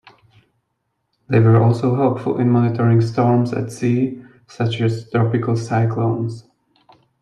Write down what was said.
They were also helpful in monitoring storms at sea, such as tropical cyclones.